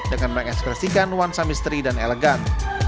dengan mengekspresikan ruang samisteri dan elegan